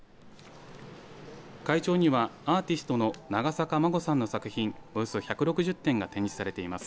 会場にはアーティストの長坂真護さんの作品およそ１６０点が展示されています。